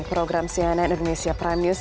program cnn indonesia prime news